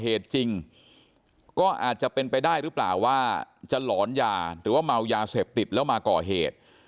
เหตุจริงก็อาจจะเป็นไปได้หรือเปล่าว่าจะหลอนยาหรือว่าเมายาเสพติดแล้วมาก่อเหตุ